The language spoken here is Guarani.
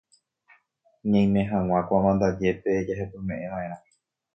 Ñaime hag̃ua ko amandajépe jahepymeʼẽvaʼerã.